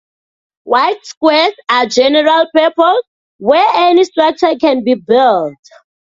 White squares are general purpose, where any structure can be built.